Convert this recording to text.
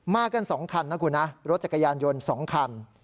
มากกัน๒คันนะครับคุณรถจักรยานยนต์๒คัน